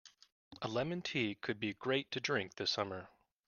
A lemon tea could be great to drink this summer.